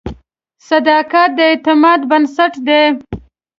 صداقت د اعتماد بنسټ دی.